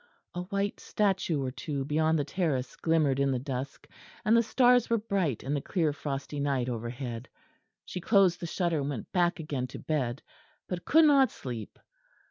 A white statue or two beyond the terrace glimmered in the dusk, and the stars were bright in the clear frosty night overhead. She closed the shutter and went back again to bed; but could not sleep.